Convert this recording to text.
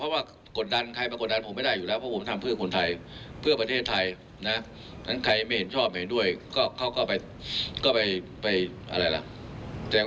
วันนี้มันเริ่มมาตั้งแต่วันทั้ง๒๒ก็จะพาไปแล้ว